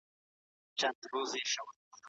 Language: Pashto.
مینه یوازې د کتابونو یوه افسانه ده.